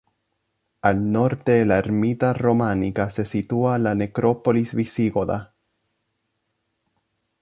Al Norte de la ermita románica se sitúa la necrópolis visigoda.